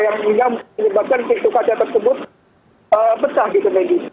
yang sehingga menyebabkan pintu kaca tersebut pecah gitu medi